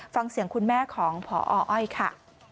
ฟังเสียงคุณแม่ของพออ้อยค่ะ